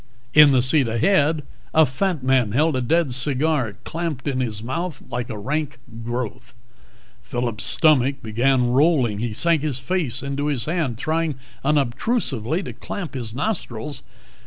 In the seat ahead, a fat man held a dead cigar clamped in his mouth like a rank growth. Phillip's stomach began rolling; he sank his face into his hand, trying unobtrusively to clamp his nostrils.